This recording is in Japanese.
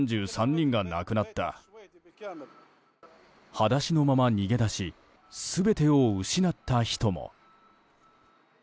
裸足のまま逃げ出し全てを失った人も。